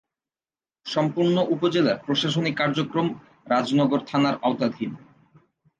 সম্পূর্ণ উপজেলার প্রশাসনিক কার্যক্রম রাজনগর থানার আওতাধীন।